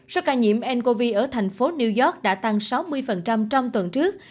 số ca nhiễm ncov ở thành phố new york đã tăng sáu mươi trong tuần trước